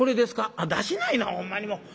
「あっ出しないなほんまにもう。